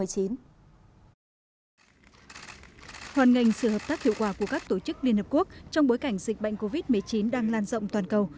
hoàn ngành sự hợp tác hiệu quả của các tổ chức liên hợp quốc trong bối cảnh dịch bệnh covid một mươi chín đang lan rộng toàn cầu